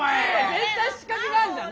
絶対仕掛けがあんじゃん！